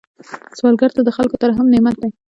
سوالګر ته د خلکو ترحم نعمت دی